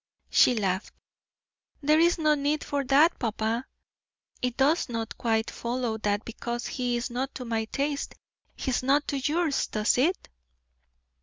She laughed. "There is no need for that, papa: it does not quite follow that because he is not to my taste, he is not to yours, does it?"